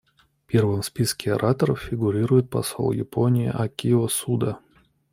Первым в списке ораторов фигурирует посол Японии Акио Суда.